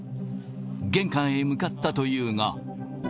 玄関へ向かったというが。